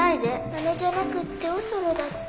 マネじゃなくっておそろだって。